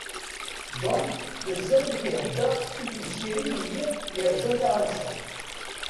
John mazal-t iḥeddeṛ i temsirin n yiḍ yerzan taɣamsa.